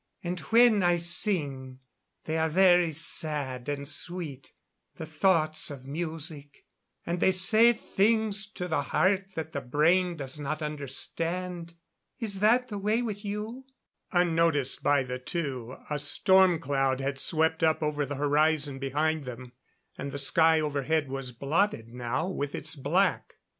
And when I sing they are very sad and sweet, the thoughts of music, and they say things to the heart that the brain does not understand. Is it that way with you?" Unnoticed by the two, a storm cloud had swept up over the horizon behind them, and the sky overhead was blotted now with its black.